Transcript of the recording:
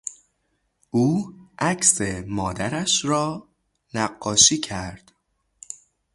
او عکس مادرش را نقاشی کرد.